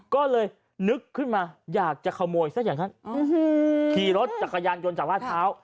ก็เลยนึกขึ้นมาอยากจะขโมยซะอย่างนั้นอื้อฮือขี่รถจากกระยานจนจากวาดเท้า